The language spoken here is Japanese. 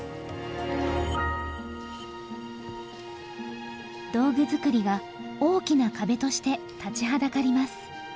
道具作りが大きな壁として立ちはだかります。